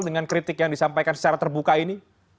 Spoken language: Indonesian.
dengan kritik yang disampaikan secara terbuka ini